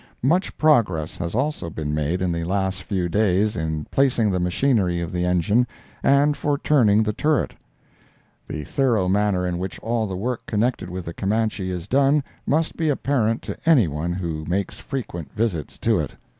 Much progress has also been made in the last few days in placing the machinery of the engine, and for turning the turret. The thorough manner in which all the work connected with the Camanche is done must be apparent to anyone who makes frequent visits to it.